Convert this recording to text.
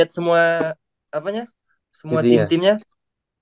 watts untuk perhatian di sana aku juga setting saya ini lihat like like aku ini